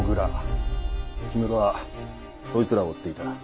氷室はそいつらを追っていた。